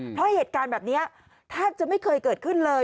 เพราะเหตุการณ์แบบนี้แทบจะไม่เคยเกิดขึ้นเลย